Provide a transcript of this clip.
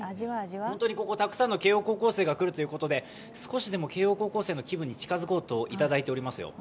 ホントにここ、たくさんの慶応生が来るということで少しでも慶応高校生の気分に近づこうといただいておりますよ。